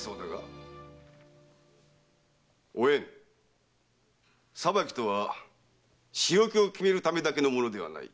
おえん裁きとは仕置きを決めるためだけのものではない。